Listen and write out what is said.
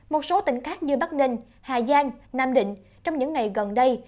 một số tỉnh khác như bắc ninh hà giang nam định trong những ngày gần đây